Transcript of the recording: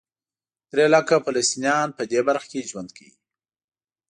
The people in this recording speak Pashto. درې لکه فلسطینیان په دې برخه کې ژوند کوي.